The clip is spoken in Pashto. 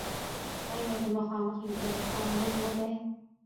آیا د مخامخ لیدلو خوند بل نه دی؟